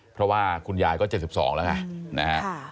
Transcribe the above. เพราะว่าคุณยายก็๗๒แล้วไงนะฮะ